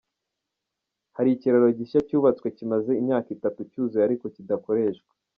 Hari ikiraro gishya cyubatswe kimaze imyaka itatu cyuzuye ariko kidakoreshwa.